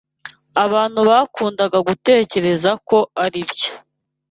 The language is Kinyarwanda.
Abantu bakundaga gutekereza ko aribyo.